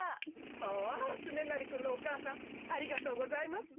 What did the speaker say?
・まあつねなりくんのお母さんありがとうございます。